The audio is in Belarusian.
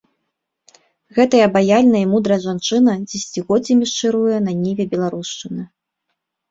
Гэтая абаяльная і мудрая жанчына дзесяцігоддзямі шчыруе на ніве беларушчыны.